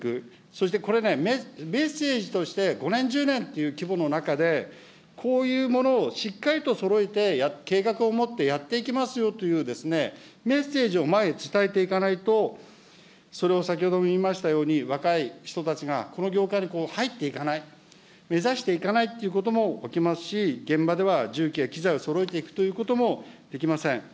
そしてこれね、メッセージとして５年、１０年という規模の中で、こういうものをしっかりとそろえて、計画を持ってやっていきますよというですね、メッセージを前へ伝えていかないと、それを、先ほども言いましたように、若い人たちがこの業界に入っていかない、目指していかないということも起きますし、現場では重機や機材をそろえていくということもできません。